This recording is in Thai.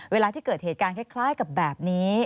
เวลาที่เกิดเหตุการณ์คล้ายกับแบบนี้